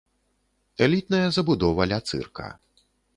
Элітная забудова ля цырка.